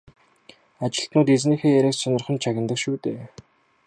Ажилтнууд эзнийхээ яриаг сонирхон чагнадаг шүү дээ.